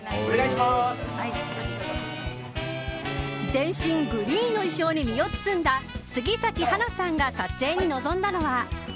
全身グリーンの衣装に身を包んだ杉咲花さんが撮影に臨んだのは。